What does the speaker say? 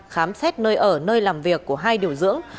khám xét nơi ở nơi làm việc của hai điều dưỡng